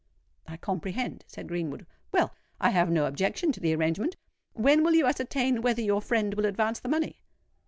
"I comprehend," said Greenwood. "Well—I have no objection to the arrangement. When will you ascertain whether your friend will advance the money?"